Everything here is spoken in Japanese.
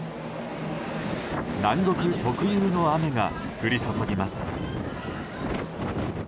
南国特有の雨が降り注ぎます。